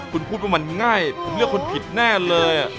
คุณพูดว่ามันง่ายคุณเลือกคนผิดแน่เลย